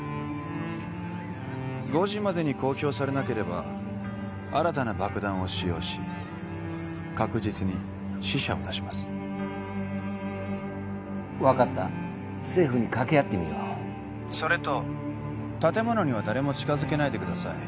５時までに公表されなければ新たな爆弾を使用し確実に死者を出します分かった政府に掛け合ってみようそれと建物には誰も近づけないでください